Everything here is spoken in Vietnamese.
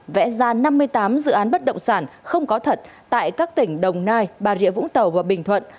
vẽ ra năm mươi tám dự án bất động sản không có thật tại các tỉnh đồng nai bà rịa vũng tàu và bình thuận